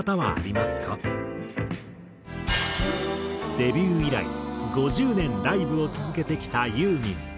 デビュー以来５０年ライブを続けてきたユーミン。